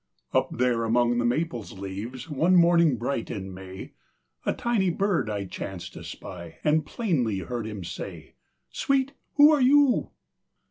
Up there among the maple's leaves, One morning bright in May, A tiny bird I chanced to spy, And plainly heard him say: "Sweet, who are you?"